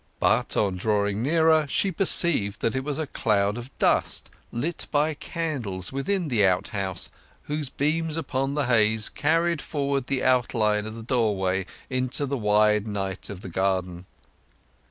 But on drawing nearer she perceived that it was a cloud of dust, lit by candles within the outhouse, whose beams upon the haze carried forward the outline of the doorway into the wide night of the garden.